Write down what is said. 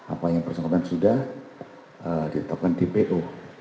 apa yang persangkutan sudah ditetapkan di pu